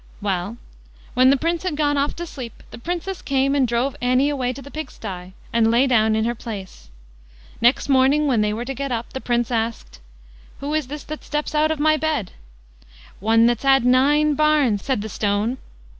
Well, when the Prince had gone off to sleep, the Princess came and drove Annie away to the pigsty, and lay down in her place. Next morning, when they were to get up, the Prince asked: "Who is this that steps out of my bed?" "One that's had nine bairns", said the stone.